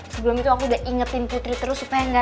sebelum itu aku udah ingetin putri terus supaya nggak